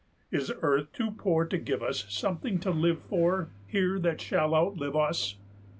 Is earth too poor to give us 70 Something to live for here that shall outlive us?